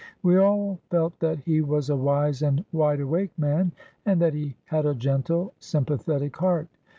We all felt that he was a wise and wide awake man and that he had a gentle, sjinpathetic heart.